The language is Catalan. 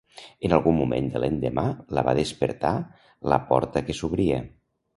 En algun moment de l'endemà la va despertar la porta que s'obria.